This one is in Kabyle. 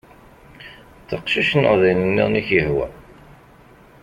D taqcict neɣ d ayen-nniḍen i ak-yehwan.